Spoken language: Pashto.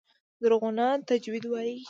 زرغونه تجوید وايي.